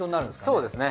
そうですね。